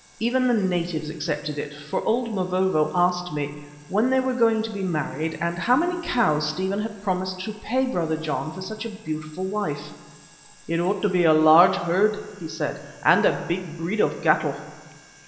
Even the natives accepted it, for old Mavovo asked me when they were going to be married and how many cows Stephen had promised to pay Brother John for such a beautiful wife. "It ought to be a large herd," he said, "and of a big breed of cattle."